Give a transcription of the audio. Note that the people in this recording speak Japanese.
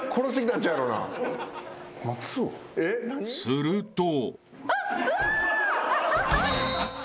［すると］